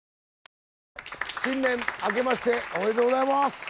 新年あけましておめでとうございます。